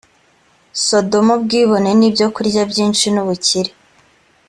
sodomu ubwibone n ibyokurya byinshi n ubukire